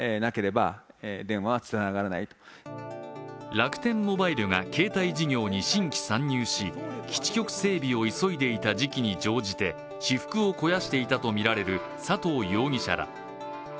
楽天モバイルが携帯事業に新規参入し、基地局整備を急いでいた時期に乗じて、私腹を肥やしていたとみられる佐藤容疑者ら。